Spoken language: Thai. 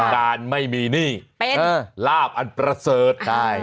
การไม่มีหนี้ลาบอันประเสริฐ